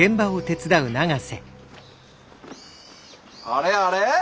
あれあれ？